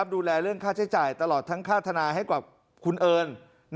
ดูแลเรื่องค่าใช้จ่ายตลอดทั้งค่าธนายให้กับคุณเอิญ